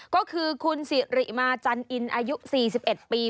ก็คือคุณสิริมาจันอินอายุ๔๑ปี